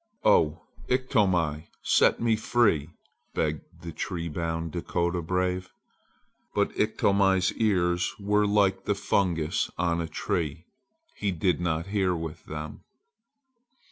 "Oh, Iktomi, set me free!" begged the tree bound Dakota brave. But Iktomi's ears were like the fungus on a tree. He did not hear with them.